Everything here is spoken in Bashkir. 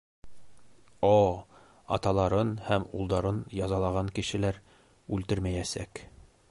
О, аталарын һәм улдарын язалаған кешеләр үлтермәйәсәк!